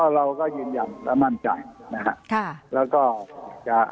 เราก็ยืนยินหว่ามั่นใจนะค่ะแล้วก็จะอย่างนี้ค่ะ